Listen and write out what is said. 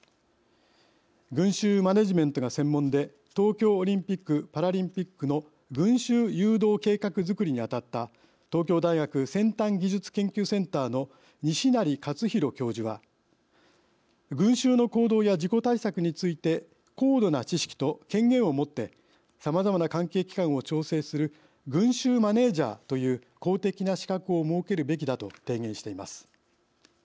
群集マネジメントが専門で東京オリンピック・パラリンピックの群集誘導計画づくりに当たった東京大学先端技術研究センターの西成活裕教授は「群集の行動や事故対策について高度な知識と権限を持ってさまざまな関係機関を調整する群集マネージャーという公的な資格を設けるべきだ」と提言しています。